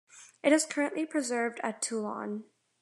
It is currently preserved at Toulon.